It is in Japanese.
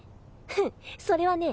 「フッそれはね」